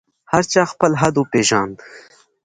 هر چا خپل حد وپېژاند.